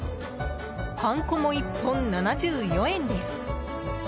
はんこも１本７４円です。